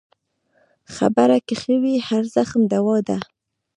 خبره که ښه وي، هر زخم دوا ده.